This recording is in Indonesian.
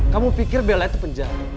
kamu pikir bela itu penjara